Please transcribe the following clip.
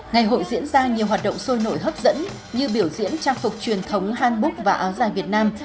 ngày hội diễn ra nhiều hoạt động sôi nổi hấp dẫn như biểu diễn trang phục truyền thống hanbuk và áo dài việt nam